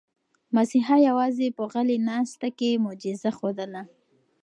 مسیحا یوازې په غلې ناسته کې معجزه ښودله.